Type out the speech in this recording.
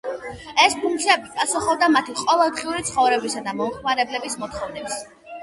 ეს ფუნქციები პასუხობდა მათი ყოველდღიური ცხოვრებისა და მომხმარებლების მოთხოვნებს.